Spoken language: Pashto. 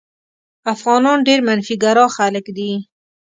افغانان ډېر منفي ګرا خلک دي.